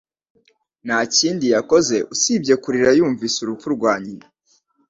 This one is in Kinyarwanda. Nta kindi yakoze usibye kurira yumvise urupfu rwa nyina